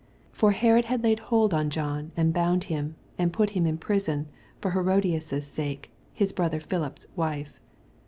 8 For Herod had laid hold on John, and boand him, and put him in prison for Herodias^ sake, his brother Philip^s wife.